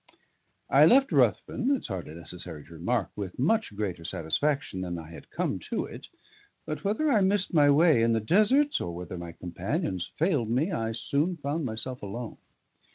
I left Ruthven (it's hardly necessary to remark) with much greater satisfaction than I had come to it; but whether I missed my way in the deserts, or whether my companions failed me, I soon found myself alone.